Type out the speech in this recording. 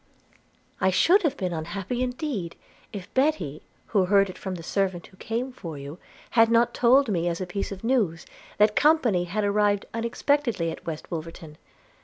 'I should have been unhappy indeed, if Betty, who heard it from the servant who came for you, had not told me as a piece of news, that company had arrived unexpectedly at West Wolverton.